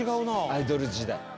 「アイドル時代」